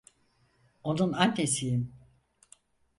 Onun annesiyim.